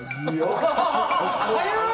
早っ。